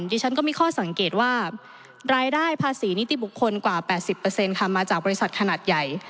ดิฉันก็มีข้อสังเกตว่ารายได้ภาษีนิติบุคคลกว่า๘๐ค่ะมาจากบริษัทขนาดใหญ่